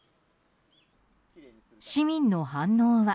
市民の反応は。